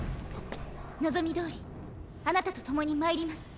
望みどおりあなたと共に参ります。